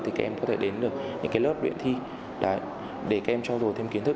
thì các em có thể đến được những lớp luyện thi để các em cho dù thêm kiến thức